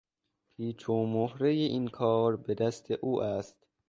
پیچ و مهرهٔ این کار به دست او است.